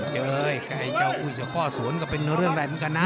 เจ๋ยไอ้เจ้าอุ้ยเสี่ยวป้อศูนย์ก็เป็นเรื่องแหล่นกันนะ